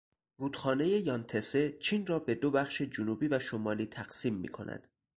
رود خانهٔ یان تسه چین را به دو بخش جنوبی و شمالی تقسیم میکند.